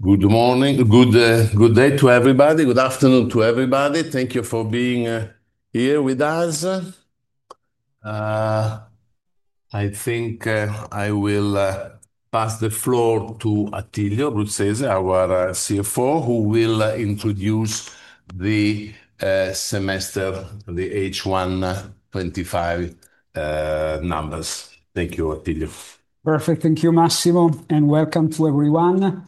Good morning. Good good day to everybody. Good afternoon to everybody. Thank you for being here with us. I think I will pass the floor to Attilio Brutzes, our CFO, who will introduce the semester, the h one twenty five numbers. Thank you, Octilio. Perfect. Thank you, Massimo, and welcome to everyone.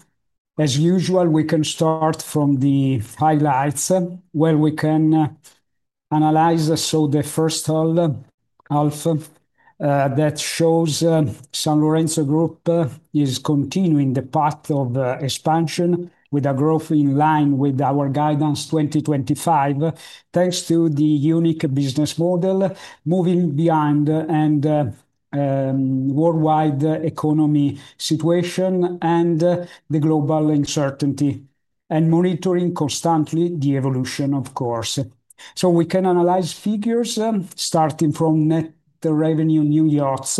As usual, we can start from the highlights where we can analyze. So the first half that shows San Lorenzo Group is continuing the path of expansion with a growth in line with our guidance 2025, thanks to the unique business model moving beyond and worldwide economy situation and global uncertainty and monitoring constantly the evolution, of course. So we can analyze figures starting from net revenue new yachts,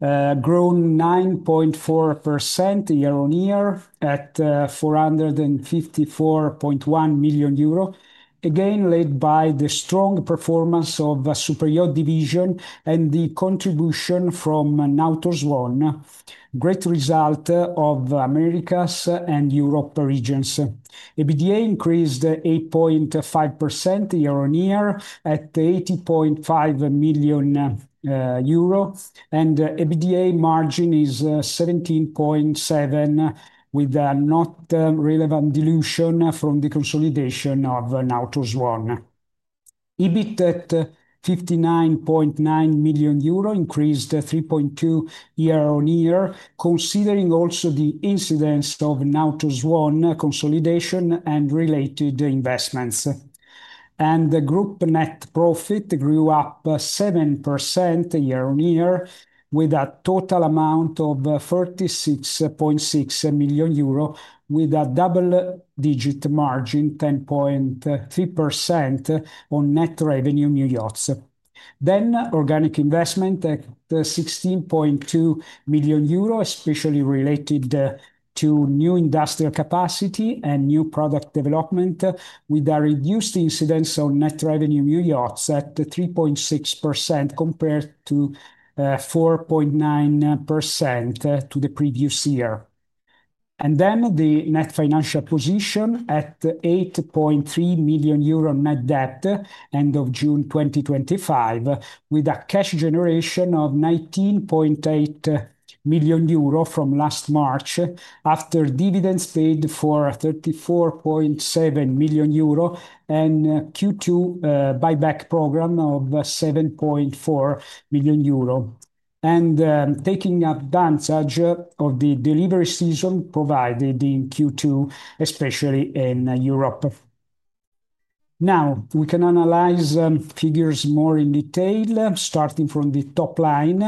growing 9.4% year on year at, €454,100,000, again, led by the strong performance of Superyacht division and the contribution from Nautilus One, great result of Americas and Europe regions. EBITDA increased 8.5% year on year at €80,500,000 and EBITDA margin is 17.7 with a not relevant dilution from the consolidation of NautosOne. EBIT at 59,900,000 increased 3.2 year on year, considering also the incidence of NaltusOne consolidation and related investments. And the group net profit grew up 7% year on year with a total amount of €36,600,000 with a double digit margin, 10.3% on net revenue new yachts. Then organic investment at €16,200,000, especially related to new industrial capacity and new product development with a reduced incidence of net revenue New York set to 3.6% compared to 4.9% to the previous year. And then the net financial position at €8,300,000 net debt June 2025 with a cash generation of €19,800,000 from last March after dividends paid for €34,700,000 and q two buyback program of €7,400,000 and, taking advantage of the delivery season provided in q two, especially in Europe. Now we can analyze figures more in detail, starting from the top line,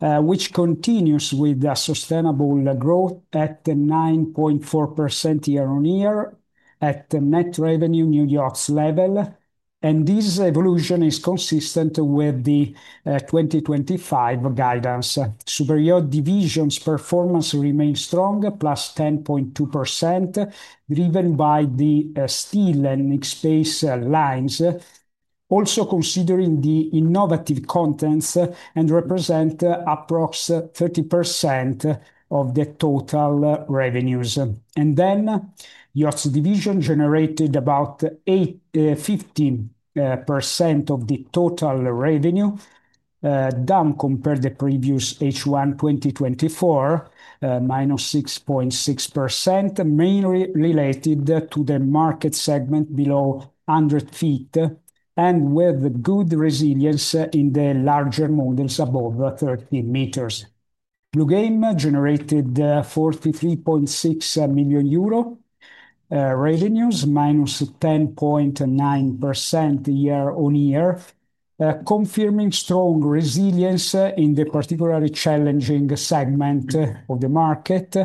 which continues with sustainable growth at 9.4% year on year at the net revenue New York's level. And this evolution is consistent with the, 2025 guidance. Superior division's performance remained strong, plus 10.2%, driven by the steel and mixed space lines, also considering the innovative contents and represent approx 30% of the total revenues. And then YOTS division generated about eight 15% of the total revenue, down compared the previous h 01/2024, minus 6.6%, mainly related to the market segment below 100 feet and with good resilience in the larger models above 13 meters. Blue Game generated €43,600,000. Revenues, minus 10.9% year on year, confirming strong resilience in the particularly challenging segment of the market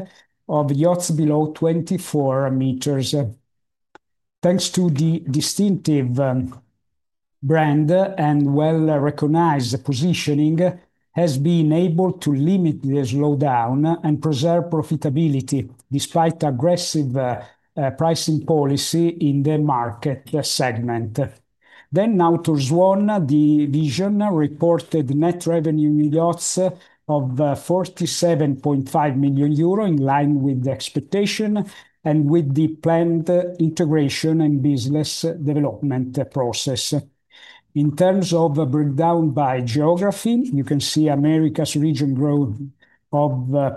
of yachts below 24 meters. Thanks to the distinctive brand and well recognized positioning, has been able to limit the slowdown and preserve profitability despite aggressive pricing policy in the market segment. Then now TORZONE, the Vision reported net revenue in lots of €47,500,000 in line with the expectation and with the planned integration and business development process. In terms of breakdown by geography, you can see Americas region growth of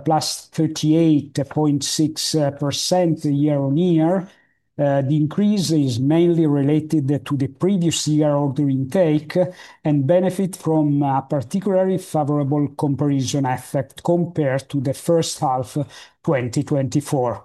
plus 38.6% year on year. The increase is mainly related to the previous year order intake and benefit from a particularly favorable comparison effect compared to the first half twenty twenty four.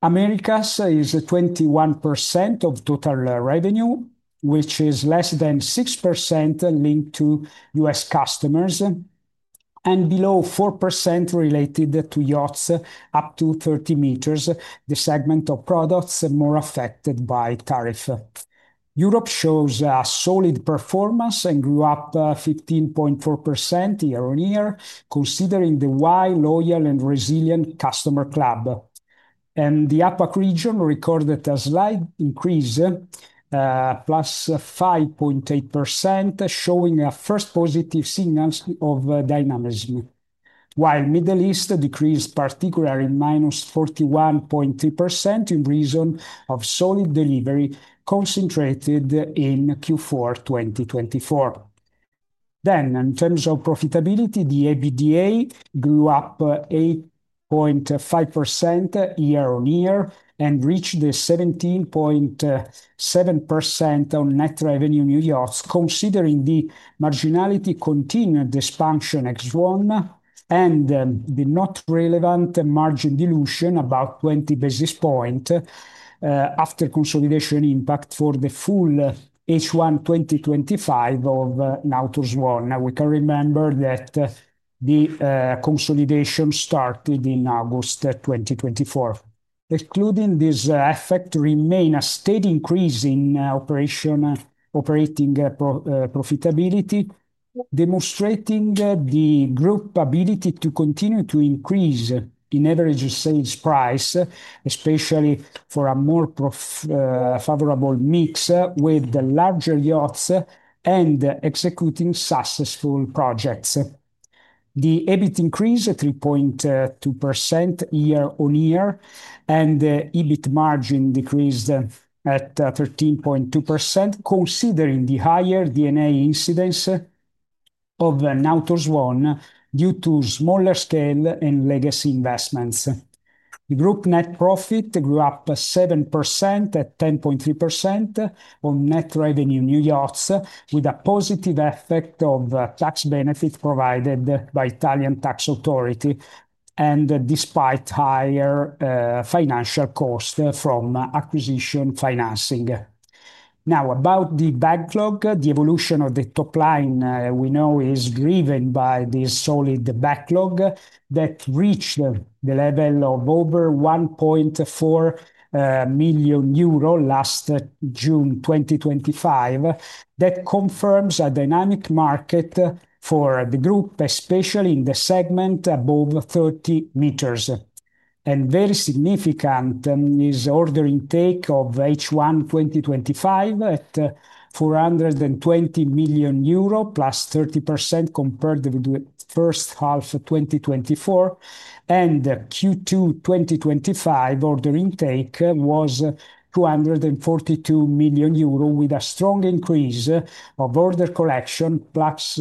Americas is 21% of total revenue, which is less than 6% linked to US customers and below 4% related to yachts up to 30 meters, the segment of products more affected by tariff. Europe shows a solid performance and grew up 15.4% year on year considering the wide, loyal and resilient customer club. And the APAC region recorded a slight increase plus 5.8% showing a first positive signals of dynamism, while Middle East decreased particularly minus 41.2% in reason of solid delivery concentrated in Q4 twenty twenty four. Then in terms of profitability, the EBITDA grew up 8.5% year on year and reached the 17.7% on net revenue in New York, the marginality continued expansion ex one and the not relevant margin dilution about 20 basis point after consolidation impact for the full H1 twenty twenty five of Nautilus one. Now we can remember that the consolidation started in August 2024. Excluding this effect, remain a steady increase in operation operating pro profitability, demonstrating the group ability to continue to increase in average sales price, especially for a more, favorable mix with the larger yachts and executing successful projects. EBIT increased 3.2% year on year, and the EBIT margin decreased at 13.2%, considering the higher D and A incidence of NautosOne due to smaller scale and legacy investments. The group net profit grew up 7% at 10.3% on net revenue new yachts with a positive effect of tax benefits provided by Italian tax authority and despite higher financial cost from acquisition financing. Now about the backlog, the evolution of the top line we know is driven by the solid backlog that reached the level of over 1,400,000.0 euro last June 2025. That confirms a dynamic market for the group, especially in the segment above 30 meters. And very significant is order intake of H1 twenty twenty five at EUR $420,000,000, plus 30% compared with first half of twenty twenty four. And the q two twenty twenty five order intake was €242,000,000 with a strong increase of order collection, plus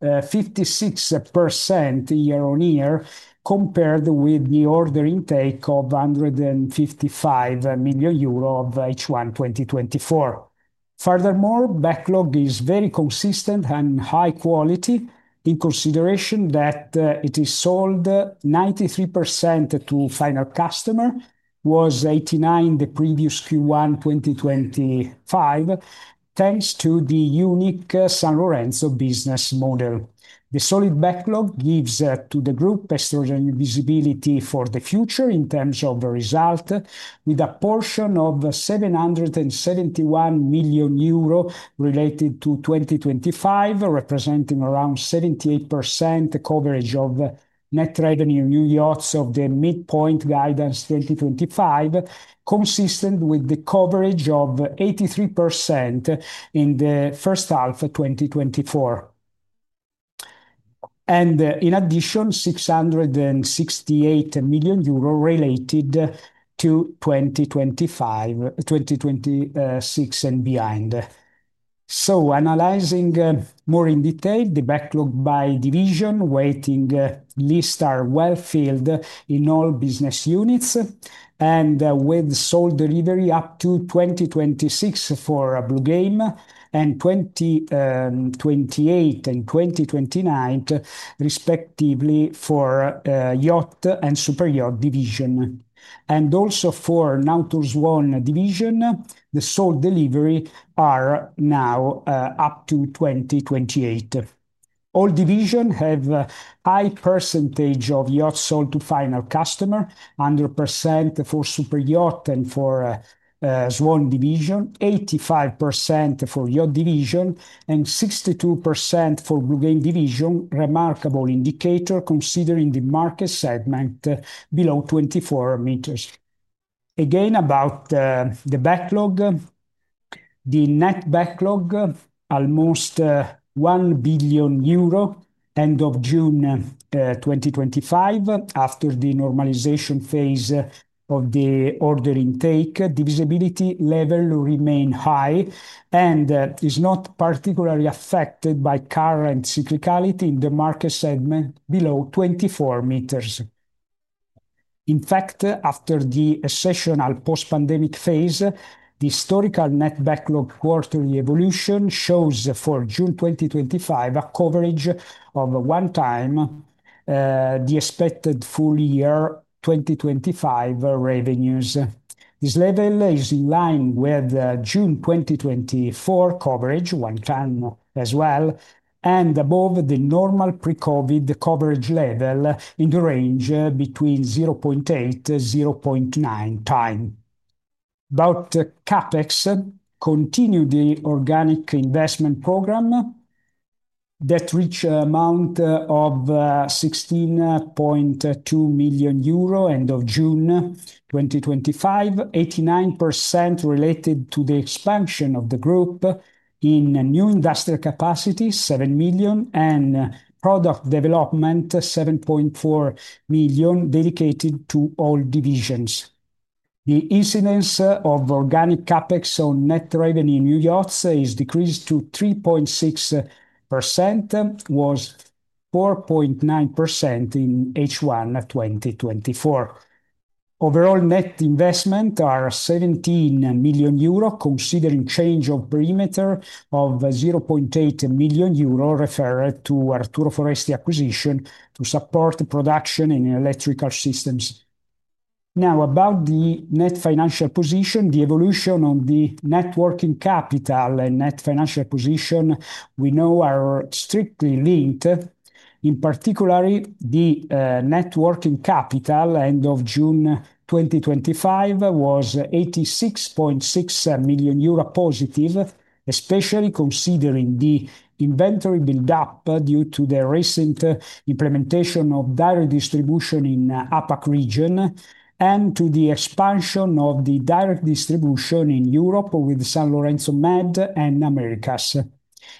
56% year on year compared with the order intake of €155,000,000 of h one twenty twenty four. Furthermore, backlog is very consistent and high quality in consideration that, it is sold 93% to final customer, was 89 the previous q one twenty twenty five, thanks to the unique San Lorenzo business model. The solid backlog gives to the group best version visibility for the future in terms of the result with a portion of €771,000,000 related to 2025, representing around 78% coverage of net revenue in new yachts of the midpoint guidance 2025, consistent with the coverage of 83% in the 2024. And in addition, €668,000,000 related to 2025 2026 and behind. So analyzing more in detail the backlog by division waiting list are well filled in all business units and, with sold delivery up to twenty twenty six for a blue game and 20, '28 and 2029, respectively, for, yacht and superyacht division. And also for Nantors one division, the sold delivery are now up to twenty twenty eight. All division have high percentage of yachts sold to final customer, 100% for superyacht and for Swan division, 85% for your division, and 62% for Blue Game division, remarkable indicator considering the market segment below 24 meters. Again, about the backlog, the net backlog, almost €1,000,000,000 June 2025 after the normalization phase of the order intake, the visibility level remain high and is not particularly affected by current cyclicality in the market segment below 24 meters. In fact, after the sessional post pandemic phase, the historical net backlog quarterly evolution shows for June 2025 a coverage of onetime, the expected full year 2025 revenues. This level is in line with June 2024 coverage, one time as well, and above the normal pre COVID coverage level in the range between 0.8 to 0.9 time. About CapEx, continue the organic investment program that reached amount of €16,200,000 June 2025, 89% related to the expansion of the group in new industrial capacities, 7,000,000, and product development, 7,400,000.0 dedicated to all divisions. The incidence of organic CapEx on net revenue in new yachts has decreased to 3.6%, was 4.9% in H1 twenty twenty four. Overall net investment are 17,000,000 euro, considering change of perimeter of 800,000.0 euro referred to Arturo Foresti acquisition to support the production in electrical systems. Now about the net financial position, the evolution on the net working capital and net financial position, we know are strictly linked, In particular, the net working capital June 2025 was €86,600,000 positive, especially considering the inventory buildup due to the recent implementation of direct distribution in APAC region and to the expansion of the direct distribution in Europe with San Lorenzo Med and Americas.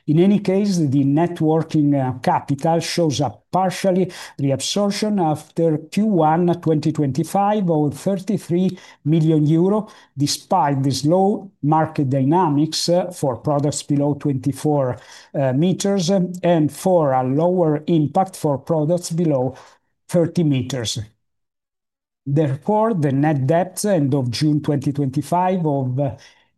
In any case, the net working capital shows a partially reabsorption after q one twenty twenty five of €33,000,000 despite the slow market dynamics for products below 24 meters and for a lower impact for products below 30 meters. Therefore, the net debt June 2025 of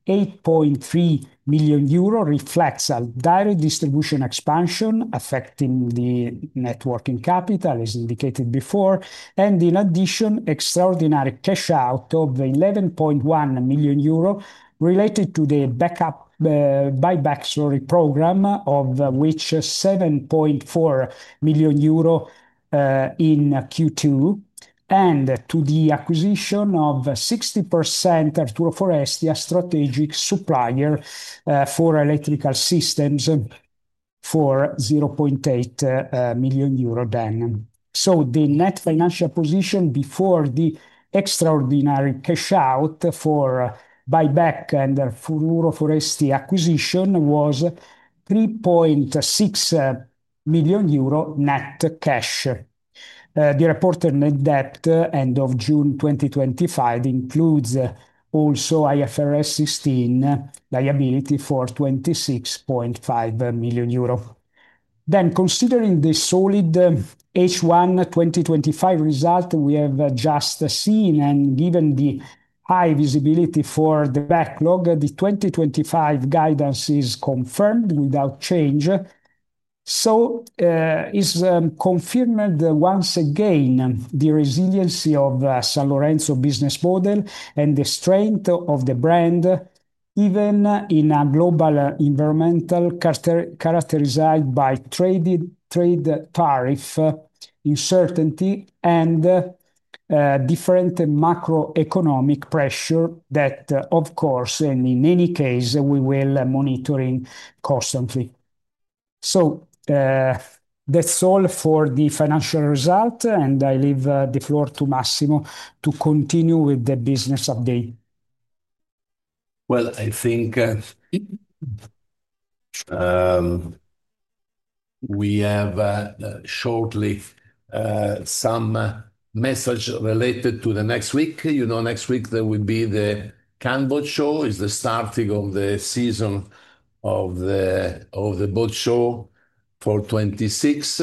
€8,300,000 reflects a direct distribution expansion affecting the net working capital, as indicated before, and in addition, extraordinary cash out of €11,100,000 related to the backup buyback, sorry, program of which €7,400,000 in Q2 and to the acquisition of 60% of TURO4 ST, a strategic supplier, for electrical systems for 0.8, million euro then. So the net financial position before the extraordinary cash out for buyback under Uroforest acquisition was €3,600,000 net cash. The reported net debt June 2025 includes also IFRS 16 liability for €26,500,000. Then considering the solid h one twenty twenty five result we have just seen and given the high visibility for the backlog, the 2025 guidance is confirmed without change. So, it's, confirmed once again the resiliency of the San Lorenzo business model and the strength of the brand even in a global environmental character characterized by traded trade tariff uncertainty and different macroeconomic pressure that, of course, and in any case, we will monitor in constantly. So that's all for the financial result, and I leave the floor to Massimo to continue with the business update. Well, I think we have shortly some message related to the next week. You know, next week, there will be the Cannes Boat Show. It's the starting of the season of the of the boat show for '26.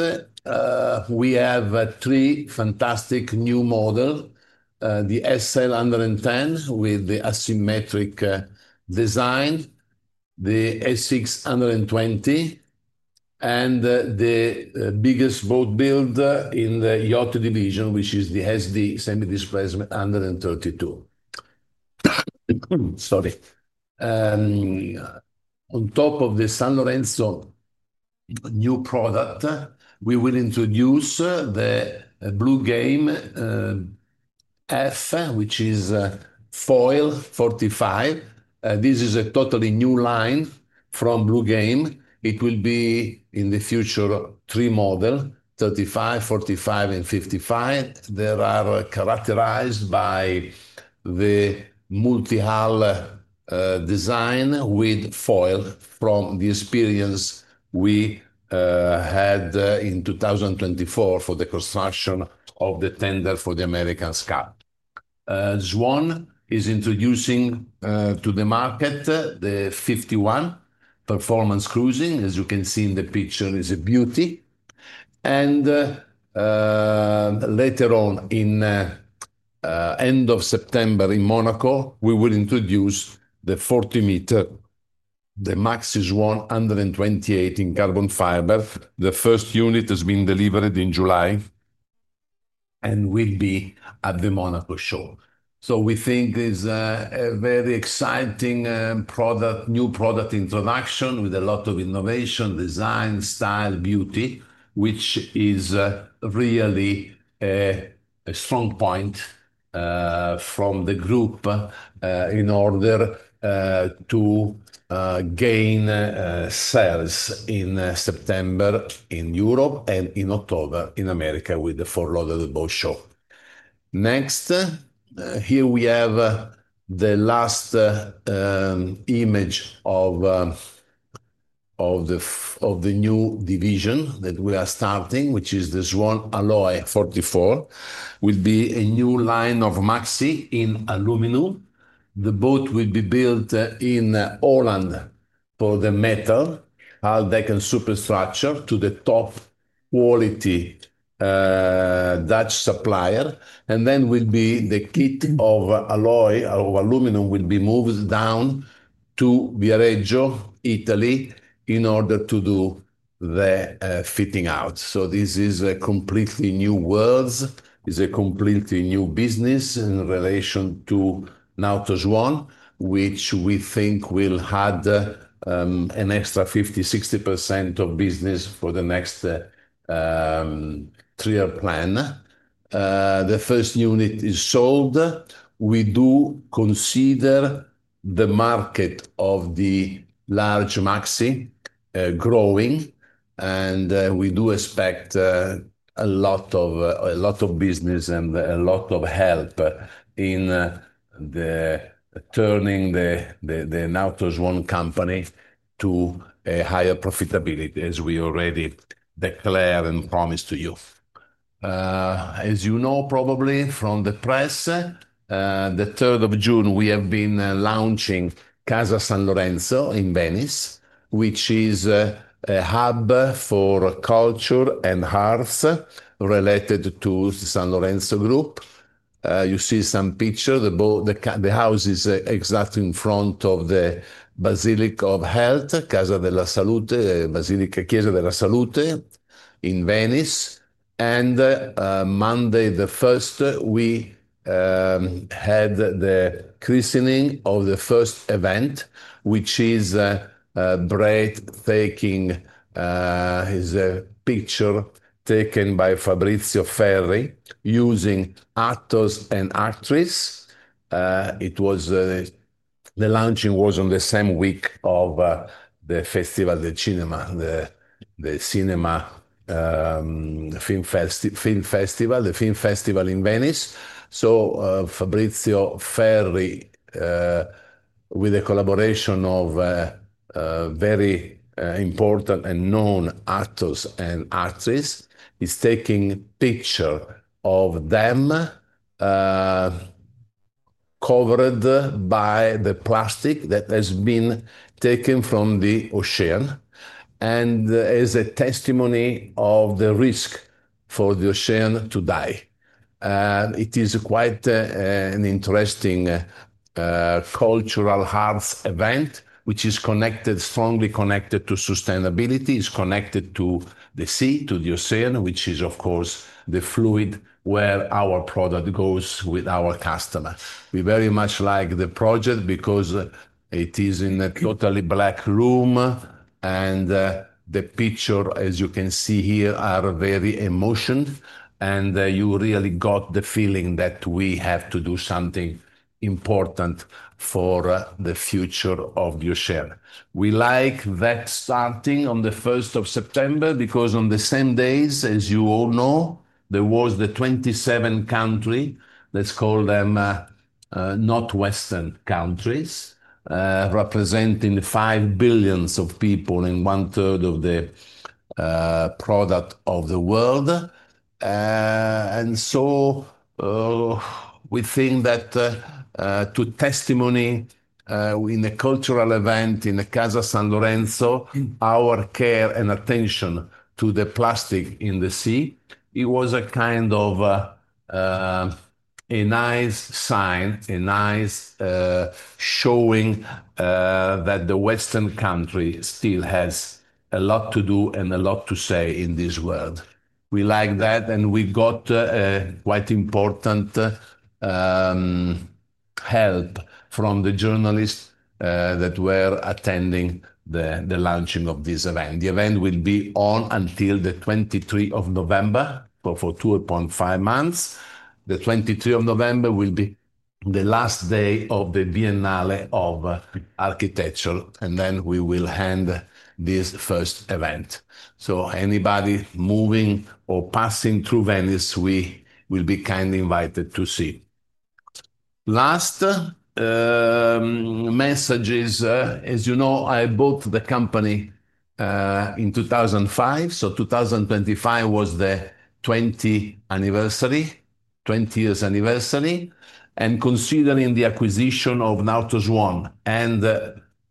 We have three fantastic new model, the s l 110 with the asymmetric design, the s 620, and the biggest boat builder in the yacht division, which is the SD semi displacement 132. Sorry. On top of the San Lorenzo new product, we will introduce the Blue Game f, is foil 45. This is a totally new line from Blue Game. It will be in the future three model, 35, 45, and 55. There are characterized by the multi hull design with foil from the experience we had in 2024 for the construction of the tender for the American scalp. Zuan is introducing to the market the 51 performance cruising. As you can see in the picture, it's a beauty. And later on in September in Monaco, we will introduce the 40 meter. The max is 128 in carbon fiber. The first unit has been delivered in July and will be at the Monaco show. So we think it's a very exciting product new product introduction with a lot of innovation, design, style, beauty, which is really a strong point from the group in order to gain sales in September in Europe and in October in America with the four Loaded Boat Show. Next, here we have the last image of of the of the new division that we are starting, which is this one Alloy 44, will be a new line of Maxi in aluminum. The boat will be built in Holland for the metal, Aldecan superstructure to the top quality Dutch supplier. And then will be the kit of alloy or aluminum will be moved down to Vireggio, Italy in order to do the fitting out. So this is a completely new world. It's a completely new business in relation to Nautilus one, which we think will add an extra 60% of business for the next three year plan. The first unit is sold. We do consider the market of the large Maxi growing, and we do expect a lot of a lot of business and a lot of help in the turning the the the now to one company to a higher profitability as we already declare and promise to you. As you know, probably from the press, the June 3, we have been launching Casa San Lorenzo in Venice, which is a hub for culture and hearth related to the San Lorenzo group. You see some picture. The boat the the house is exactly in front of the Basilica Of Health, Casa Della Salute, Basilica Casa Della Salute in Venice. And Monday the first, we had the christening of the first event, which is breathtaking his picture taken by Fabrizio Ferri using actors and actress. It was the launching was on the same week of the Festival de Cinema, the the cinema film festival, the film festival in Venice. So Fabrizio, fairly with a collaboration of very important and known artists and artists, is taking picture of them covered by the plastic that has been taken from the ocean and as a testimony of the risk for the ocean to die. It is quite an interesting cultural heart event, which is connected strongly connected to sustainability, is connected to the sea, to the ocean, which is, of course, the fluid where our product goes with our customer. We very much like the project because it is in a totally black room, and the picture, as you can see here, are very emotion, and you really got the feeling that we have to do something important for the future of your share. We like that starting on the September 1 because on the same days, as you all know, there was the 27 country, let's call them Northwestern countries, representing five billions of people and one third of the product of the world. And so we think that to testimony in a cultural event in the Casa San Lorenzo, our care and attention to the plastic in the sea, It was a kind of a nice sign, a nice showing that the Western country still has a lot to do and a lot to say in this world. We like that, and we got quite important help from the journalists that were attending the the launching of this event. The event will be on until the November 23 for 2.5. The November 23 will be the last day of the biennale of architecture, and then we will hand this first event. So anybody moving or passing through Venice, we will be kindly invited to see. Last messages, as you know, I bought the company in 02/2005. So 2025 was the twentieth anniversary, twentieth anniversary. And considering the acquisition of Nautos One and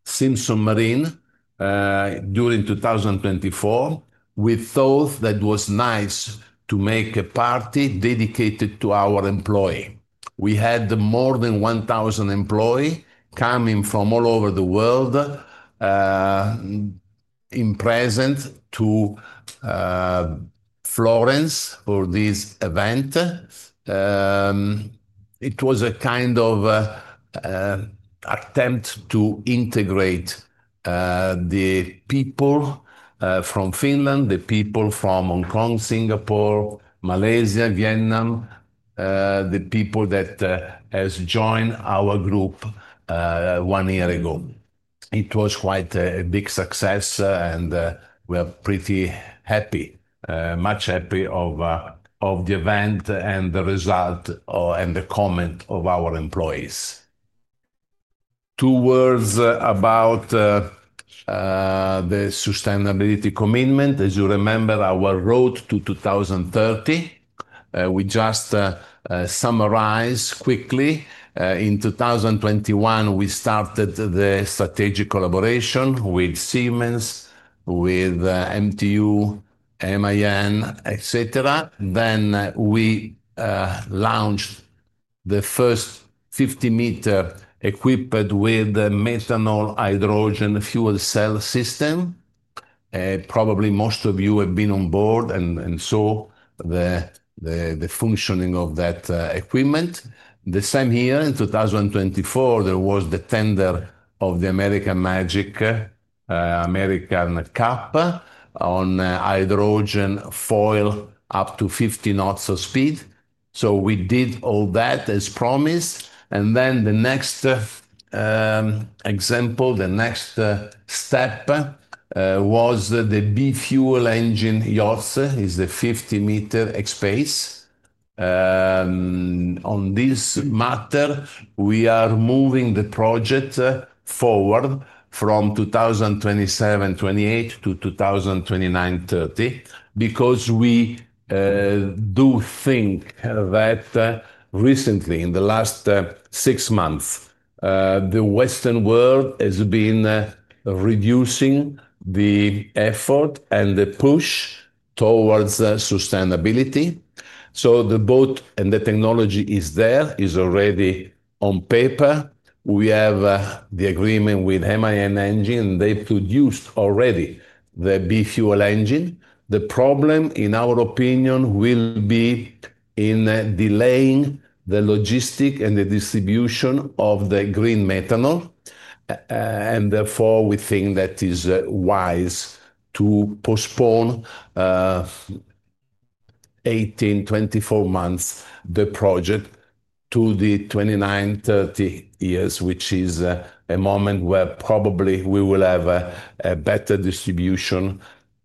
Simpsons Marine during 02/2024, with those that was nice to make a party dedicated to our employee. We had more than 1,000 employee coming from all over the world in present to Florence for this event. It was a kind of attempt to integrate the people from Finland, the people from Hong Kong, Singapore, Malaysia, Vietnam, the people that has joined our group one year ago. It was quite a big success, and we are pretty happy, much happy of of the event and the result and the comment of our employees. Two words about the sustainability commitment. As you remember, our road to 02/1930. We just summarize quickly. In 02/2021, we started the strategic collaboration with Siemens, with MTU, MAN, etcetera. Then we launched the first 50 meter equipped with methanol hydrogen fuel cell system. Probably most of you have been on board and and saw the the the functioning of that equipment. The same here in 02/2024, there was the tender of the American Magic American Cup on hydrogen foil up to 50 knots of speed. So we did all that as promised. And then the next example, the next step was the b fuel engine YORSE. It's a 50 meter Xbase. On this matter, we are moving the project forward from 02/2728 to 02/2930 because we do think that recently, in the last six months, the Western world has been reducing the effort and the push towards sustainability. So the boat and the technology is there, is already on paper. We have the agreement with MAN engine. They produced already the B fuel engine. The problem, in our opinion, will be in delaying the logistic and the distribution of the green methanol. And therefore, we think that is wise to postpone eighteen, twenty four months the project to the twenty nine, thirty years, which is a moment where probably we will have a a better distribution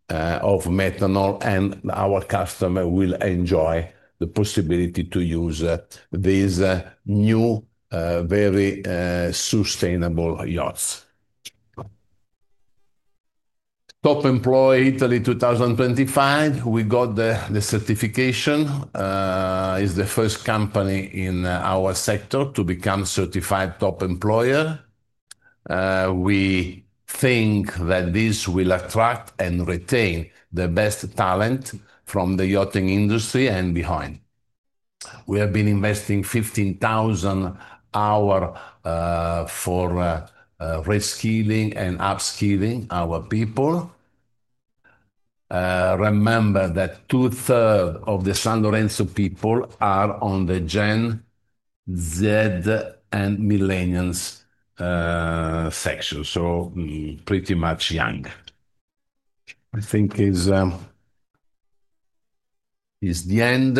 of methanol, and our customer will enjoy the possibility to use these new, very sustainable yachts. Top employee Italy 02/2025, we got the the certification. It's the first company in our sector to become certified top employer. We think that this will attract and retain the best talent from the yachting industry and behind. We have been investing fifteen thousand hour for reskilling and up killing our people. Remember that two third of the San Lorenzo people are on the gen zed and millennials section. So pretty much young. I think it's it's the end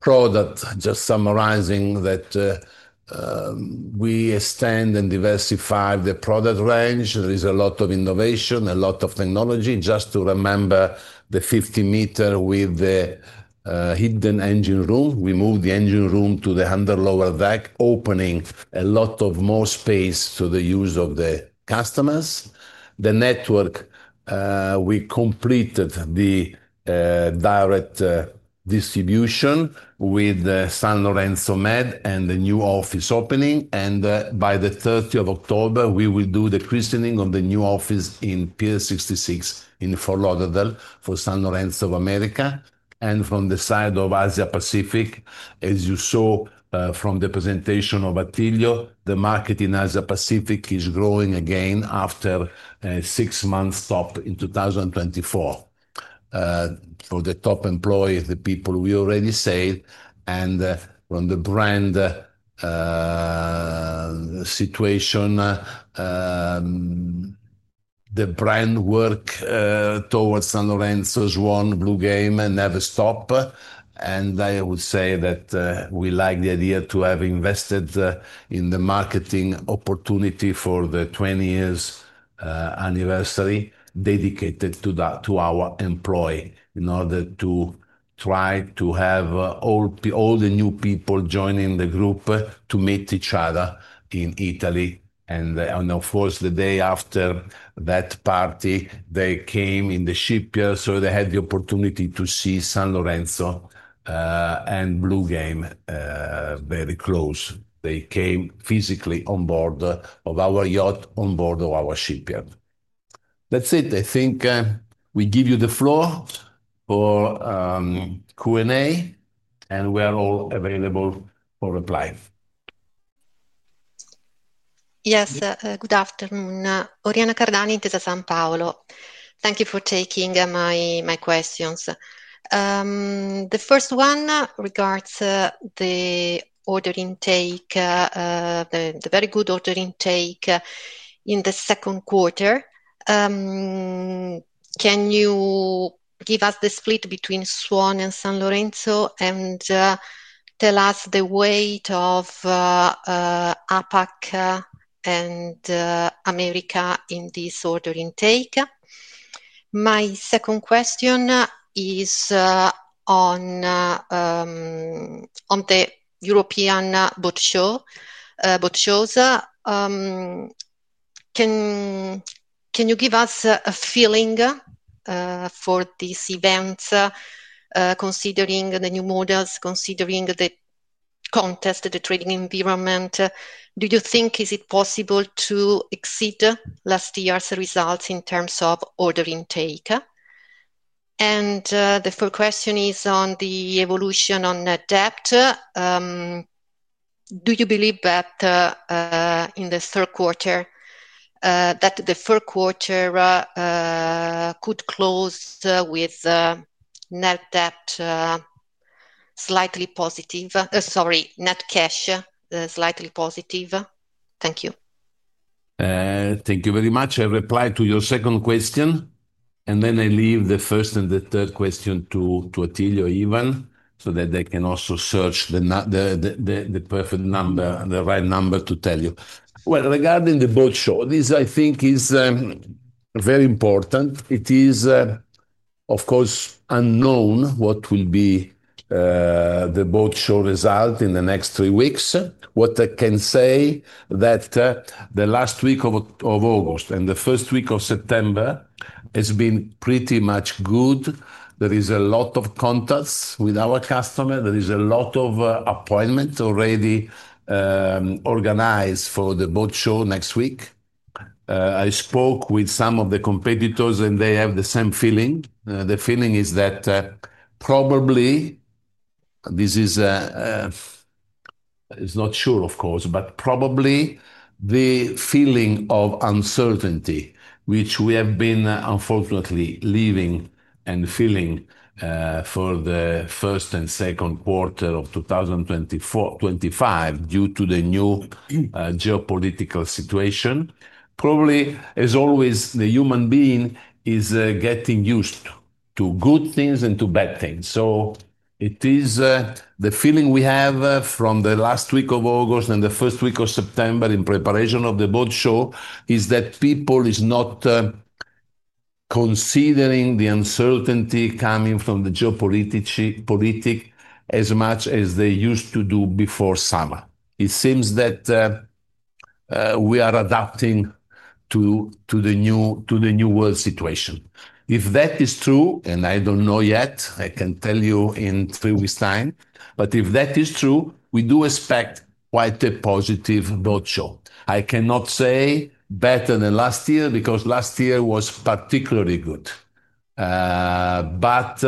product, just summarizing that we extend and diversify the product range. There is a lot of innovation, a lot of technology. Just to remember, the 50 meter with the hidden engine room. We move the engine room to the handle lower deck, opening a lot of more space to the use of the customers. The network, we completed the direct distribution with San Lorenzo Med and the new office opening. And by the October 30, we will do the christening of the new office in Pier 66 in Fort Lauderdale for San Lorenzo of America. And from the side of Asia Pacific, As you saw from the presentation of Attilio, the market in Asia Pacific is growing again after a six month stop in 2024 for the top employees, the people we already say, and on the brand situation, the brand work towards San Lorenzo's won blue game and never stop. And I would say that we like the idea to have invested in the marketing opportunity for the twenty years anniversary dedicated to that to our employee in order to try to have all all the new people joining the group to meet each other in Italy. And and of course, the day after that party, they came in the shipyard, so they had the opportunity to see San Lorenzo and Blue Game very close. They came physically on board of our yacht, on board of our shipyard. That's it. I think we give you the floor for q and a, and we are all available for reply. Yes. Good afternoon. Oriana Cardani, this is Sao Paulo. Thank you for taking my my questions. The first one regards the order intake, the very good order intake in the second quarter. Can you give us the split between Swan and San Lorenzo? And tell us the weight of APAC and America in this order intake? My second question is on the European boat show boat shows. Can you give us a feeling for these events considering the new models, considering the contest of the trading environment? Do you think is it possible to exceed last year's results in terms of order intake? And the third question is on the evolution on net debt. Do you believe that in the third quarter that the third quarter could close with net debt slightly positive sorry, net cash positive? Thank you. Thank you very much. I replied to your second question, and then I leave the first and the third question to to Atelio Ivan so that they can also search the the the the the perfect number the right number to tell you. Well, regarding the boat show, this, I think, is very important. It is, of course, unknown what will be the boat show result in the next three weeks. What I can say that the last week of of August and the September has been pretty much good. There is a lot of contacts with our customer. There is a lot of appointment already organized for the boat show next week. I spoke with some of the competitors, and they have the same feeling. The feeling is that probably this is a it's not sure, of course, but probably the feeling of uncertainty, which we have been unfortunately leaving and feeling for the February 2425 due to the new geopolitical situation. Probably, as always, the human being is getting used to good things and to bad things. So it is the feeling we have from the August and the September in preparation of the boat show is that people is not considering the uncertainty coming from the geopolitics politic as much as they used to do before summer. It seems that we are adapting to to the new to the new world situation. If that is true, and I don't know yet, I can tell you in three weeks' time, but if that is true, we do expect quite a positive roadshow. I cannot say better than last year because last year was particularly good. But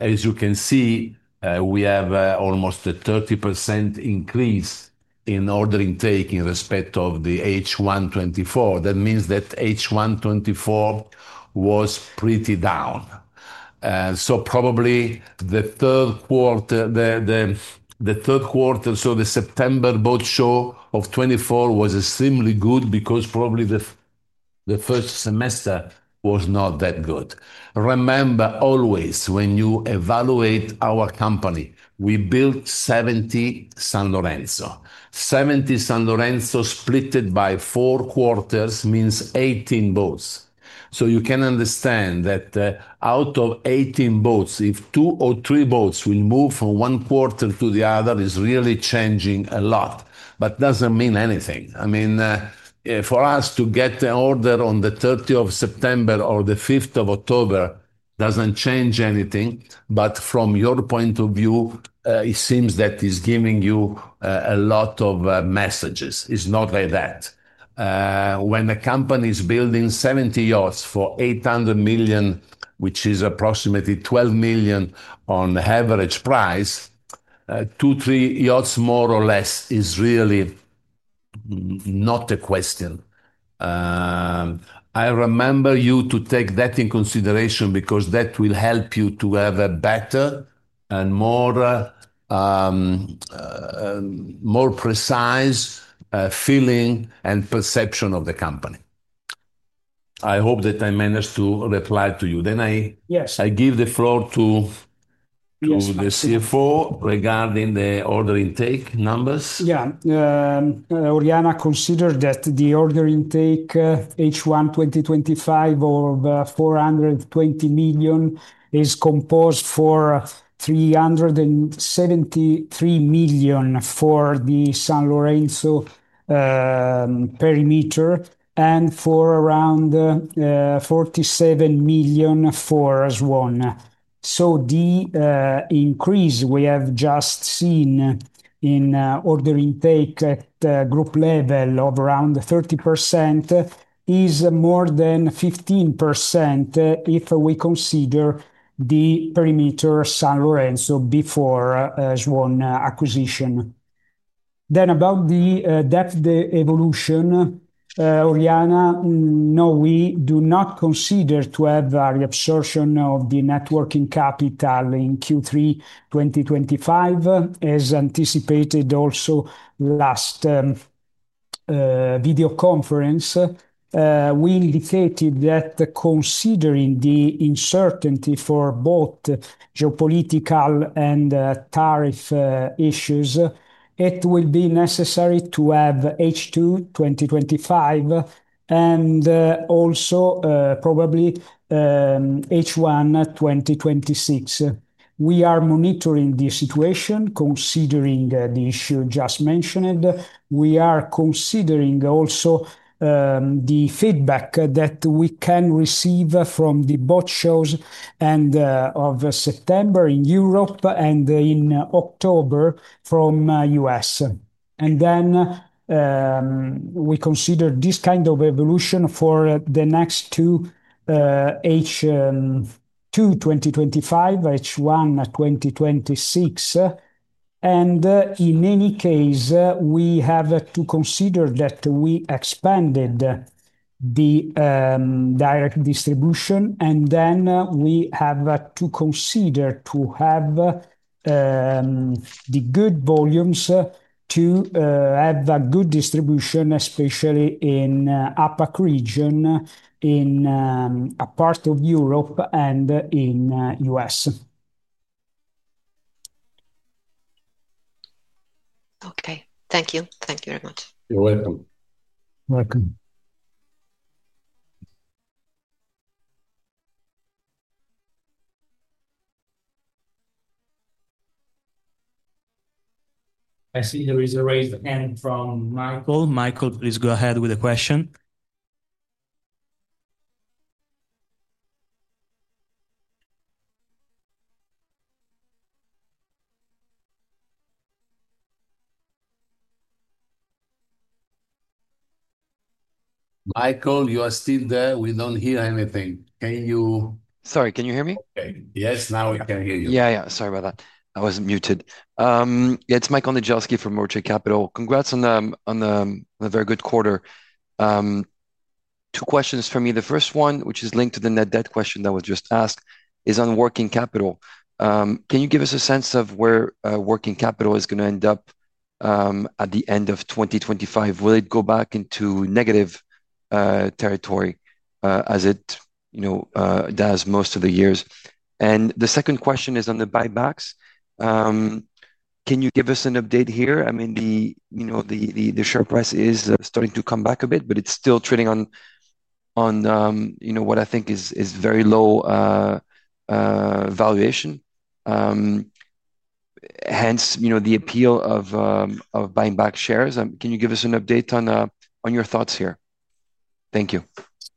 as you can see, we have almost a 30% increase in order intake in respect of the H 124. That means that H 124 was pretty down. So probably the third quarter the the the third quarter, so the September '24 was extremely good because probably the the first semester was not that good. Remember always when you evaluate our company, we built 70 San Lorenzo. 70 San Lorenzo split it by four quarters means 18 boats. So you can understand that out of 18 boats, if two or three boats will move from one quarter to the other, it's really changing a lot. But doesn't mean anything. I mean, for us to get the order on the September 30 or the October 5 doesn't change anything. But from your point of view, it seems that it's giving you a lot of messages. It's not like that. When a company is building 70 yachts for 800,000,000, which is approximately 12,000,000 on average price, two, three yachts more or less is really not a question. I remember you to take that in consideration because that will help you to have a better and more more precise feeling and perception of the company. I hope that I managed to reply to you. Then I Yes. I give the floor to to the CFO regarding the order intake numbers. Yeah. Orianna considered that the order intake, h 12025 of 420,000,000 is composed for 373,000,000 for the San Lorenzo, perimeter and for around, 47,000,000 for Swan. So the, increase we have just seen in order intake at the group level of around 30% is more than 15% if we consider the perimeter San Lorenzo before, Zhuan acquisition. Then about the, depth of the evolution, Oriana, no. We do not consider to have a reabsorption of the networking capital in q three twenty twenty five as anticipated also last, video conference, we indicated that considering the uncertainty for both geopolitical and, tariff issues, it will be necessary to have h 02/2025 and, also, probably, h 01/2026. We are monitoring the situation considering the issue just mentioned. We are considering also, the feedback that we can receive from the bot shows September in Europe and in October from US. And then, we consider this kind of evolution for the next two, h two twenty twenty five, h one twenty twenty six. And in any case, we have to consider that we expanded the direct distribution, and then we have to consider to have the good volumes to, have a good distribution, especially in APAC region, in, a part of Europe and in US. Okay. Thank you. Thank you very much. You're welcome. Welcome. I see there is a raised hand from Michael. Michael, please go ahead with the question. Michael, you are still there. We don't hear anything. Can you Sorry. Can you hear me? Yes. Now we can hear you. Yes. Yes. Sorry about that. I was muted. Yes. It's Michael Najelski from Roche Capital. Congrats on a very good quarter. Two questions for me. The first one, which is linked to the net debt question that was just asked, is on working capital. Can you give us a sense of where working capital is going to end up at the 2025? Will it go back into negative territory as it does most of the years? And the second question is on the buybacks. Can you give us an update here? I mean, the share price is starting to come back a bit, but it's still trading on what I think is very low valuation. Hence, the appeal of buying back shares. Can you give us an update on your thoughts here? Thank you.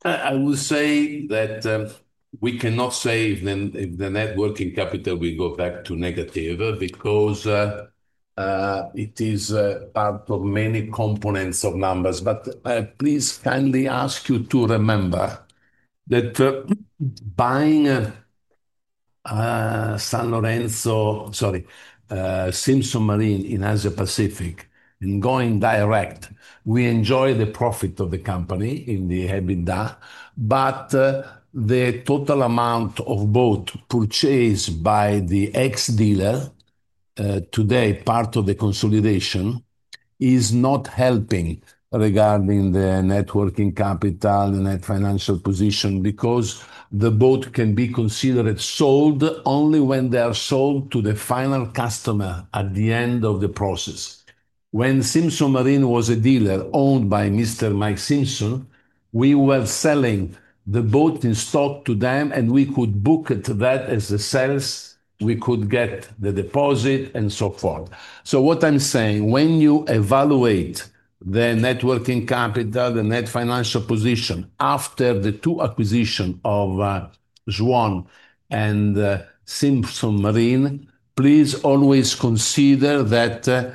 I will say that we cannot say if the net working capital will go back to negative because it is part of many components of numbers. But please kindly ask you to remember that buying a San Lorenzo sorry, Simpsom Marine in Asia Pacific and going direct, We enjoy the profit of the company in the EBITDA, but the total amount of boat purchased by the ex dealer today, part of the consolidation, is not helping regarding the net working capital, the net financial position because the boat can be considered sold only when they are sold to the final customer at the end of the process. When Simpson Marine was a dealer owned by mister Mike Simpson, we were selling the boat in stock to them, and we could book it to that as a sales. We could get the deposit and so forth. So what I'm saying, when you evaluate the net working capital, the net financial position after the two acquisition of Zuan and Simpson Marine, please always consider that there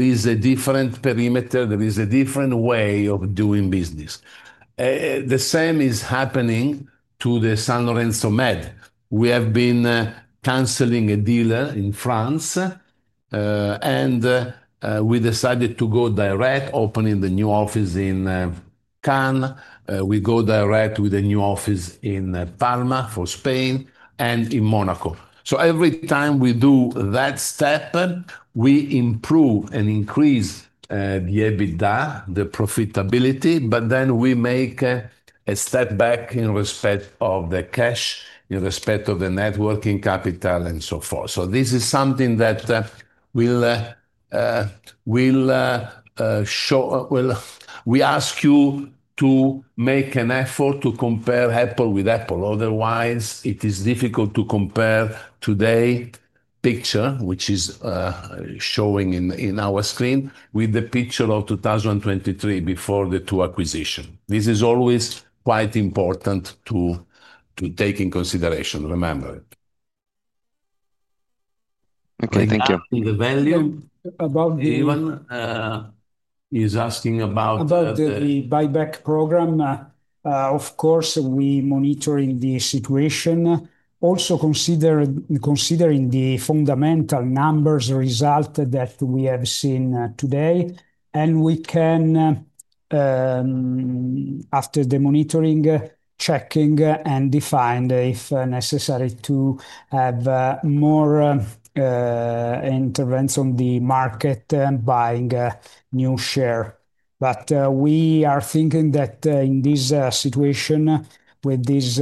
is a different perimeter. There is a different way of doing business. The same is happening to the San Lorenzo Med. We have been canceling a dealer in France, and we decided to go direct opening the new office in Cannes. We go direct with a new office in Palma for Spain and in Monaco. So every time we do that step, we improve and increase the EBITDA, the profitability, but then we make a step back in respect of the cash, in respect of the net working capital, and so forth. So this is something that will will show will we ask you to make an effort to compare Apple with Apple. Otherwise, it is difficult to compare today picture, which is showing in in our screen, with the picture of 2023 before the two acquisition. This is always quite important to to take in consideration. Remember it. Okay. Thank you. The value the is asking about About the buyback program, of course, we're the situation. Also, consider considering the fundamental numbers result that we have seen today, and we can, after the monitoring, checking, and defined if necessary to have more, interference on the market buying new share. But, we are thinking that, in this situation, with this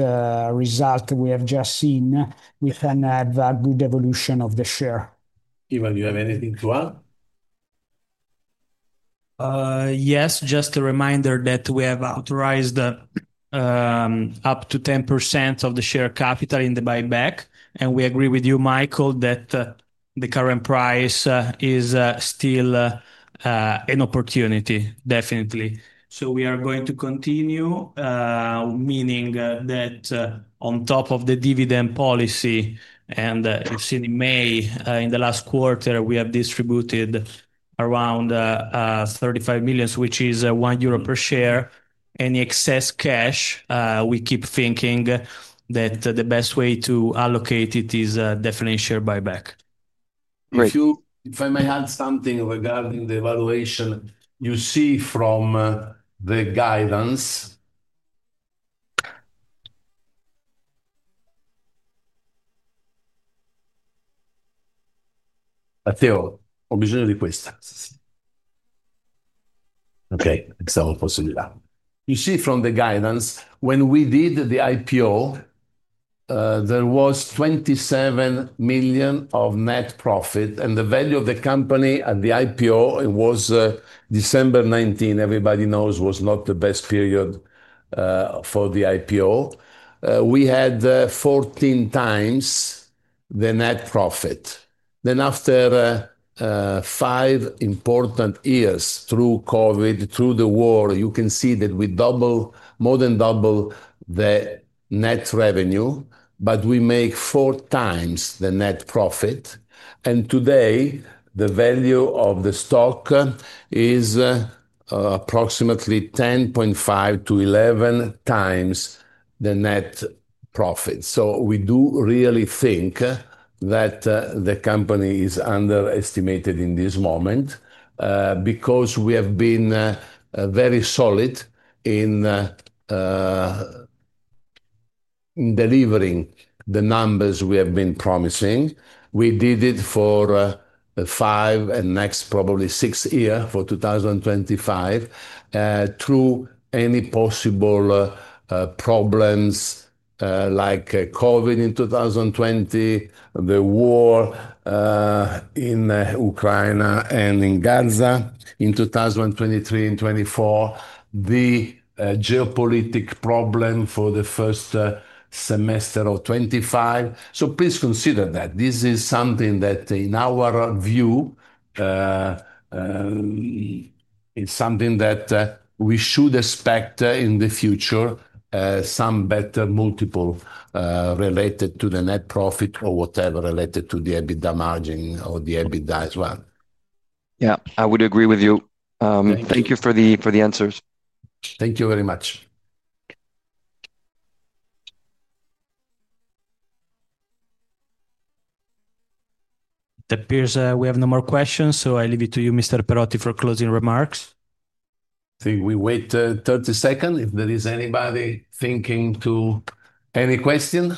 result that we have just seen, we can have a good evolution of the share. Ivan, do you have anything to add? Yes. Just a reminder that we have authorized up to 10% of the share capital in the buyback. And we agree with you, Michael, that the current price is still an opportunity, definitely. So we are going to continue, meaning that on top of the dividend policy, and as in May, in the last quarter, we have distributed around, 35,000,000, which is €1 per share. Any excess cash, we keep thinking that the best way to allocate it is a definite share buyback. If you if I may add something regarding the valuation you see from the guidance, Okay. Example for cellular. You see from the guidance, when we did the IPO, there was 27,000,000 of net profit, and the value of the company at the IPO, it was December 19. Everybody knows was not the best period for the IPO. We had 14 times the net profit. Then after five important years through COVID, through the war, you can see that we double, more than double the net revenue, but we make four times the net profit. And today, the value of the stock is approximately 10.5 to 11 times the net profit. So we do really think that the company is underestimated in this moment because we have been very solid in delivering the numbers we have been promising. We did it for five and next probably six year for 2025 through any possible problems like COVID in 02/2020, the war in Ukraine and in Gaza in 2023 and '24, the geopolitical problem for the first semester of '25. So please consider that. This is something that in our view, is something that we should expect in the future some better multiple related to the net profit or whatever related to the EBITDA margin or the EBITDA as well. Yes. I would agree with you. Thank you for the answers. Thank you very much. It appears, we have no more questions, so I leave it to you, mister Perrotti, for closing remarks. See, we wait, thirty second. If there is anybody thinking to any question,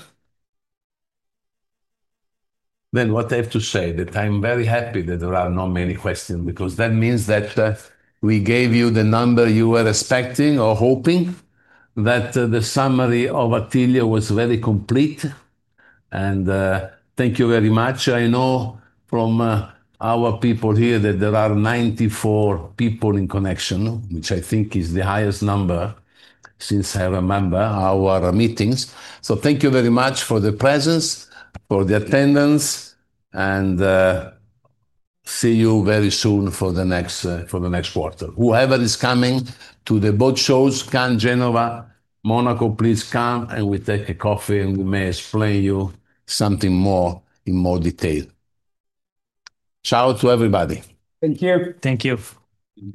Then what I have to say that I'm very happy that there are not many questions because that means that we gave you the number you were expecting or hoping that the summary of Atelier was very complete. And thank you very much. I know from our people here that there are 94 people in connection, which I think is the highest number since I remember our meetings. So thank you very much for the presence, for the attendance, and see you very soon for the next for the next quarter. Whoever is coming to the boat shows, can Genova, Monaco, please come, and we take a coffee, and we may explain you something more in more detail. Ciao to everybody. Thank you. Thank you. Thank you.